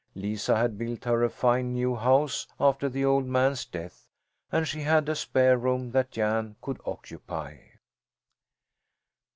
Lisa had built her a fine new house after the old man's death, and she had a spare room that Jan could occupy.